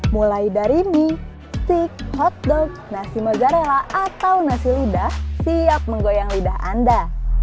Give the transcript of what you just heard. mulai dari mie steak hotdog nasi mozzarella atau nasi lidah siap menggoyang lidah anda